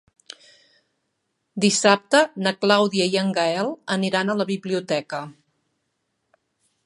Dissabte na Clàudia i en Gaël aniran a la biblioteca.